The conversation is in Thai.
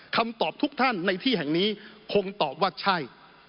คำตอบทุกท่านในที่แห่งนี้คงตอบว่าใช่